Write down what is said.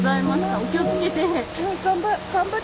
お気をつけて。